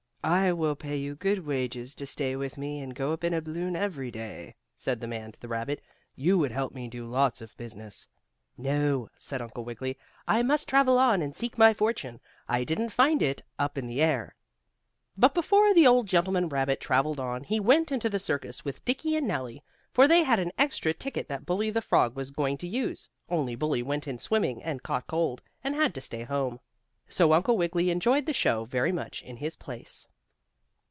"I will pay you good wages to stay with me, and go up in a balloon every day," said the man to the rabbit. "You would help me do lots of business." "No," said Uncle Wiggily. "I must travel on and seek my fortune. I didn't find it up in the air." But before the old gentleman rabbit traveled on, he went into the circus with Dickie and Nellie. For they had an extra ticket that Bully the frog was going to use, only Bully went in swimming and caught cold, and had to stay home. So Uncle Wiggily enjoyed the show very much in his place.